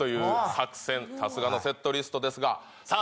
さすがのセットリストですがさあ